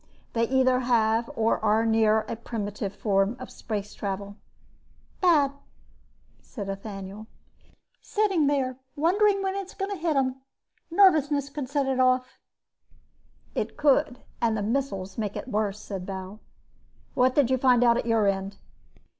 They either have or are near a primitive form of space travel." "Bad," said Ethaniel. "Sitting there, wondering when it's going to hit them. Nervousness could set it off." "It could, and the missiles make it worse," said Bal. "What did you find out at your end?"